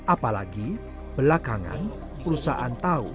apalagi belakangan perusahaan semen ini